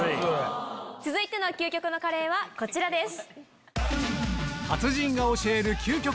続いての究極のカレーはこちらです。